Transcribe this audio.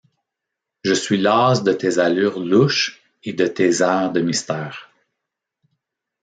Je suis lasse de tes allures louches et de tes airs de mystère.